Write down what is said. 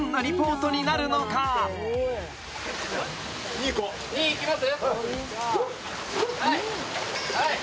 ２いきます？